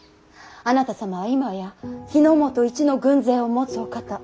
あなた様は今や日本一の軍勢を持つお方。